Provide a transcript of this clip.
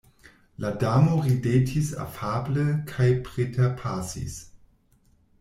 La Damo ridetis afable kaj preterpasis!